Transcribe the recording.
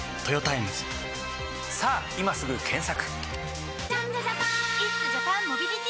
さぁ今すぐ検索！